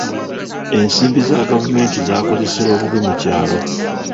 Ensimbi za gavumenti zaakozesebwa bubi mu kyalo.